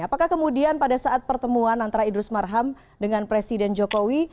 apakah kemudian pada saat pertemuan antara idrus marham dengan presiden jokowi